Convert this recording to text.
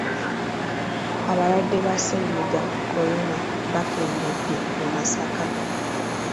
Abalwadde ba ssennyiga kolona bakendedde mu Masaka.